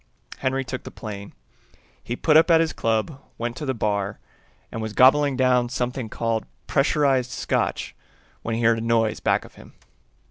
Henry took the plane. He put up at his club, went to the bar, and was gobbling down something called pressurized scotch, when he heard a noise back of him.